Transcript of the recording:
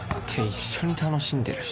一緒に楽しんでるし